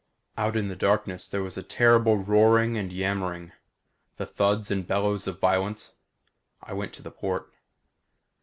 Out in the darkness there was a terrible roaring and yammering. The thuds and bellows of violence. I went to the port.